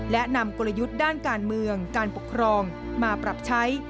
และนำกลยุทธ์ด้านการเมืองการปกครองมาปรับใช้